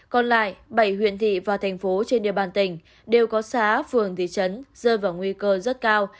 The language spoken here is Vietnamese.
còn lại bảy huyện thị và thành phố trên địa bàn tỉnh đều có xã phường thị trấn rơi vào nguy cơ rất cao